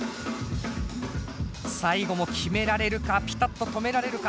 最後も決められるかピタッと止められるか。